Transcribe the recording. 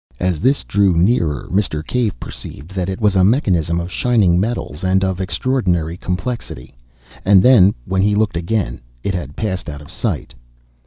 As this drew nearer Mr. Cave perceived that it was a mechanism of shining metals and of extraordinary complexity. And then, when he looked again, it had passed out of sight.